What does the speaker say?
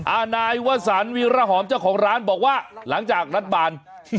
นายวสันวีรหอมเจ้าของร้านบอกว่าหลังจากรัฐบาล